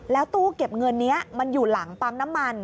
แล้วตู้เก็บเงินนี้มันอยู่หลังปั๊มน้ำมัน